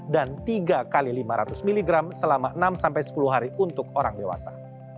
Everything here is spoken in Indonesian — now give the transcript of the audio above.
dan tiga x lima ratus mg selama enam sepuluh hari untuk orang dewasa